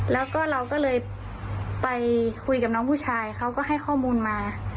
แล้วก็เราก็เลยไปคุยกับน้องผู้ชายเขาก็ให้ข้อมูลมา